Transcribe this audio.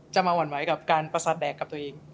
มาหวั่นไหวกับการประสาทแดกกับตัวเอง